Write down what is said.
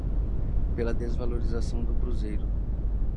pela desvalorização do cruzeiro